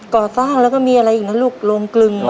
ก่อสร้างแล้วก็มีอะไรอีกนะลูกโรงกลึง